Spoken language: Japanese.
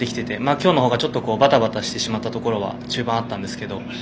今日の方がちょっとバタバタしてしまったところが中盤、あったんですけど